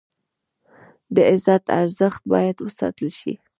د عزت ارزښت باید وساتل شي.